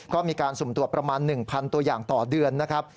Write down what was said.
ก็มีการสุ่มตรวจประมาณ๑๐๐ตัวอย่างต่อเดือนนะครับ